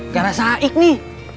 gara saik nih